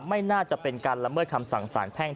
ไม่น่าจะเป็นการละเมิดคำสั่งสารแพ่ง